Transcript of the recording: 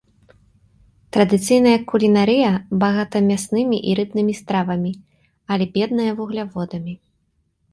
Традыцыйная кулінарыя багата мяснымі і рыбнымі стравамі, але бедная вугляводамі.